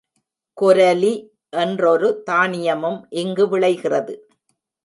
கொரலி என்றொரு தானியமும் இங்கு விளைகிறது.